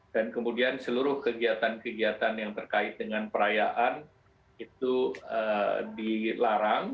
dan kemudian seluruh kegiatan kegiatan yang terkait dengan perayaan itu dilarang